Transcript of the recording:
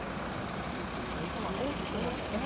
今日は大きくなんですね。